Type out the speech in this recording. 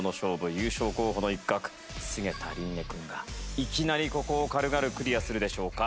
優勝候補の一角菅田琳寧君がいきなりここを軽々クリアするでしょうか？